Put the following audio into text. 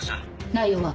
内容は？